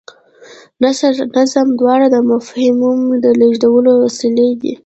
نثر او نظم دواړه د مفاهیمو د لېږدولو وسیلې دي.